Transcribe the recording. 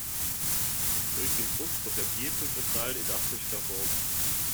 Durch den Druck wird der Piezo-Kristall elastisch verformt.